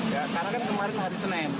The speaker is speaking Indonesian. ya karena kan kemarin hari senin